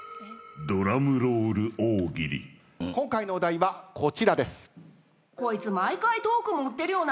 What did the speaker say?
今回のお題はこちらです。